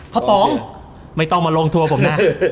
ป๋องไม่ต้องมาลงทัวร์ผมนะ